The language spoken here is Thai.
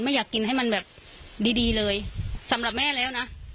อยากกินให้มันแบบดีดีเลยสำหรับแม่แล้วนะ